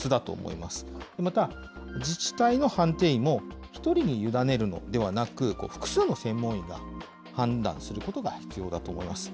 また、自治体の判定医も、１人に委ねるのではなく、複数の専門医が判断することが必要だと思います。